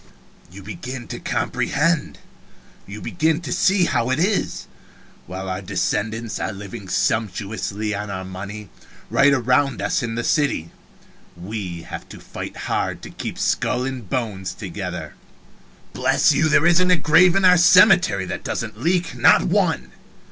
"You begin to comprehend you begin to see how it is. While our descendants are living sumptuously on our money, right around us in the city, we have to fight hard to keep skull and bones together. Bless you, there isn't a grave in our cemetery that doesn't leak not one.